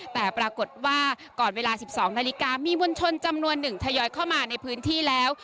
แต่ปรากฏว่าก่อนเวลา๑๒นาฬิกามีมวลชนจำนวนหนึ่งทยอยเข้ามาในพื้นที่แล้ว